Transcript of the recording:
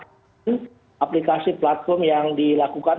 aplikasi platform yang dilakukan